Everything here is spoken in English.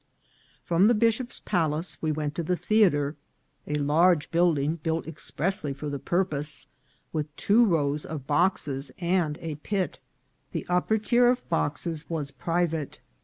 From the bishop's palace we went to the theatre, a large building built expressly for the purpose, with two rows of boxes and a pit. The upper tier of boxes was private.